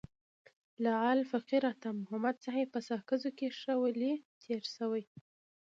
لعل فقیر عطا محمد صاحب په ساکزو کي ښه ولي تیر سوی.